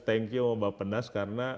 thank you sama mbak penas karena